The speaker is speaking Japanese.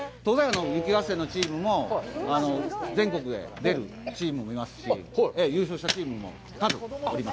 雪合戦のチームも、全国で出るチームもいますし、優勝したチームもおります。